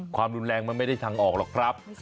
ความรุนแรงมันไม่ได้ทางออกหรอกครับ